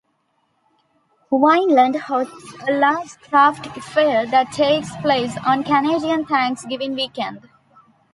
Vineland hosts a large craft fair that takes place on Canadian Thanksgiving weekend.